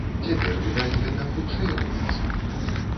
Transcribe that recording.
Цяпер, відаць, гэта хутчэй робіцца.